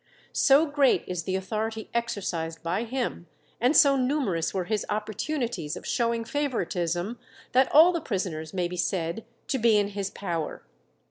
"So great is the authority exercised by him, and so numerous were his opportunities of showing favouritism, that all the prisoners may be said to be in his power.